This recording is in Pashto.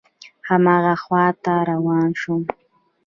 هماغه خواته روان شوم.